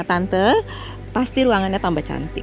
tante pasti ruangannya tambah cantik